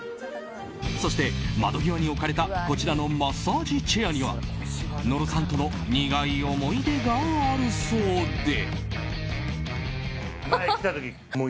そして、窓際に置かれたこちらのマッサージチェアには野呂さんとの苦い思い出があるそうで。